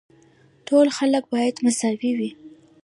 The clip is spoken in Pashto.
ټول خلک باید مساوي وي.